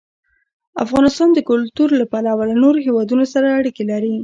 افغانستان د کلتور له پلوه له نورو هېوادونو سره اړیکې لري.